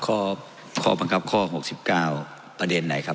ข้อข้อบังคับข้อ๖๙ประเด็นไหนครับ